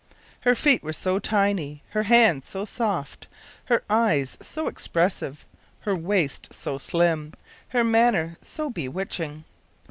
Her feet were so tiny, her hands so soft, her eyes so expressive, her waist so slim, her manner so bewitching!